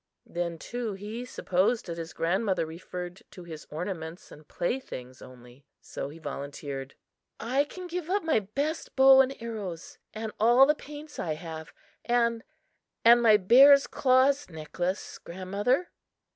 Then, too, he supposed that his grandmother referred to his ornaments and playthings only. So he volunteered: "I can give up my best bow and arrows, and all the paints I have, and and my bear's claws necklace, grandmother!"